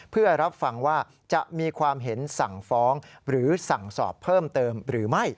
เพื่อรับฟังว่าจะมีความเห็นสั่งฟ้องหรือสั่งสอบเพิ่มเติมหรือไม่